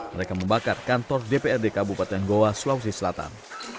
mereka membakar kantor dprd kabupaten goa sulawesi selatan